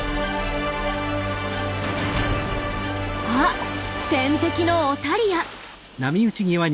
あ天敵のオタリア。